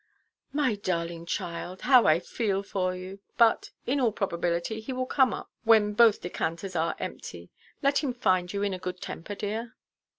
"My darling child, how I feel for you! But, in all probability, he will come up when both decanters are empty; let him find you in a good temper, dear."